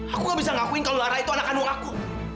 aku gak bisa ngakuin kalau lara itu anak kandung aku